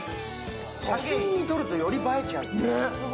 写真に撮るとより映えちゃう。